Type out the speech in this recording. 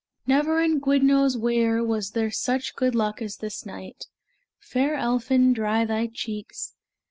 "Never in Gwyddno's weir Was there such good luck as this night. Fair Elphin, dry thy cheeks!